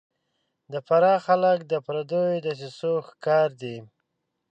د فراه خلک د پردیو دسیسو ښکار دي